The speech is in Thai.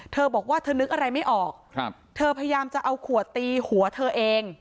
เธอบอกว่าเธอนึกอะไรไม่ออกเธอพยายามจะเอาขวดตีหัวเธอเอง